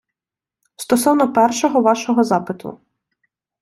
Стосовно першого вашого запиту.